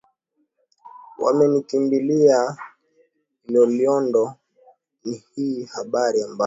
wamekimbilia loliondo ni hii habari ambayo